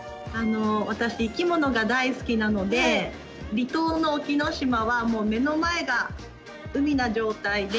私生き物が大好きなので離島の隠岐の島はもう目の前が海な状態で。